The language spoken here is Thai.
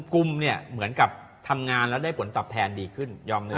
กุมภาเหมือนกับทำงานแล้วได้ผลต่อแผ่นดีขึ้น